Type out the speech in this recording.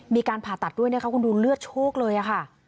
มีการผ่าตัดด้วยนะคะคุณดูเลือดโชคเลยค่ะ